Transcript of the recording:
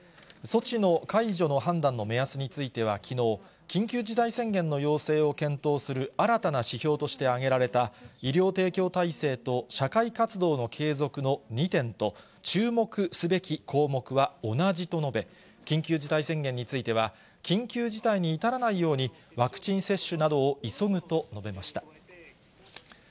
措置の解除の判断の目安についてはきのう、緊急事態宣言の要請を検討する新たな指標として挙げられた、医療提供体制と社会活動の継続の２点と、注目すべき項目は同じと述べ、緊急事態宣言については、緊急事態に至らないように、ワクチン接種などを急ぐと述べました。